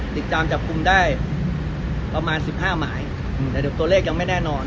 ติดจามจับกุมได้ประมาณ๑๕ไหมในตัวเลขยังไม่แน่นอน